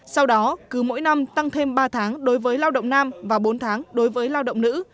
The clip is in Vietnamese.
sau đó cứ mỗi năm tăng thêm ba tháng đối với lao động nam và bốn tháng đối với lao động nữ